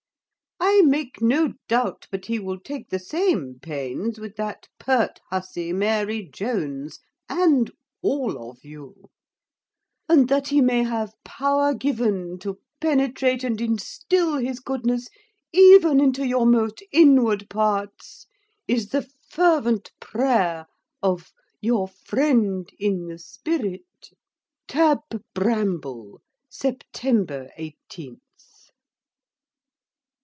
I make no doubt but he will take the same pains with that pert hussey Mary Jones, and all of you; and that he may have power given to penetrate and instill his goodness, even into your most inward parts, is the fervent prayer of Your friend in the spirit, TAB. BRAMBLE Septr. 18. To Dr LEWIS.